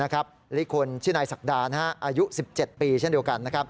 อีกคนชื่อนายศักดาอายุ๑๗ปีเช่นเดียวกัน